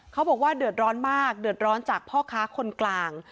เขาบอกว่าเดือดร้อนมากเดือดร้อนจากพ่อค้าคนกลาง